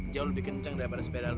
jauh lebih kenceng daripada sepeda lu